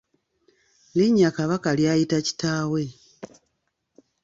Linnya Kabaka ly’ayita kitaawe.